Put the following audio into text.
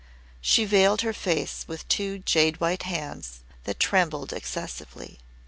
She veiled her face with two jade white hands that trembled excessively.